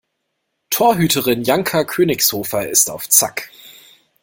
Torhüterin Janka Königshofer ist auf Zack.